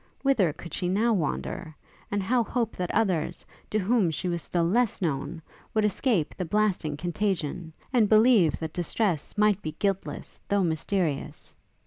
Whither could she now wander? and how hope that others, to whom she was still less known, would escape the blasting contagion, and believe that distress might be guiltless though mysterious?